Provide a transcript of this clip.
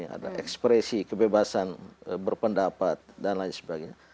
ada ekspresi kebebasan berpendapat dan lain sebagainya